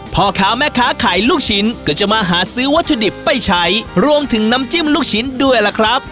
พ่อค้าแม่ค้าขายลูกชิ้นก็จะมาหาซื้อวัตถุดิบไปใช้รวมถึงน้ำจิ้มลูกชิ้นด้วยล่ะครับ